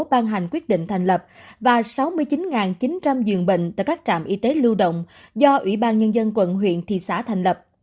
ban hành quyết định thành lập và sáu mươi chín chín trăm linh giường bệnh tại các trạm y tế lưu động do ủy ban nhân dân quận huyện thị xã thành lập